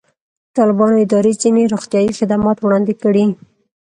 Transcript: د طالبانو ادارې ځینې روغتیایي خدمات وړاندې کړي.